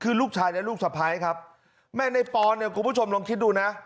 คือลูกชายและลูกสะพ้ายครับแม่ในปอนเนี่ยคุณผู้ชมลองคิดดูนะ